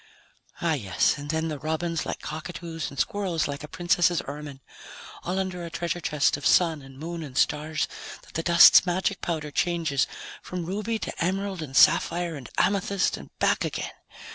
Oh, yes, and then the robins like cockatoos and squirrels like a princess's ermine! All under a treasure chest of Sun and Moon and stars that the dust's magic powder changes from ruby to emerald and sapphire and amethyst and back again.